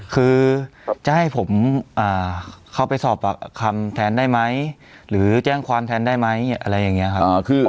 คือจะให้ผมเข้าไปสอบปากคำแทนได้ไหมหรือแจ้งความแทนได้ไหมอะไรอย่างนี้ครับ